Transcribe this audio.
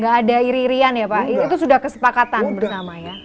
gak ada iri irian ya pak itu sudah kesepakatan bersama ya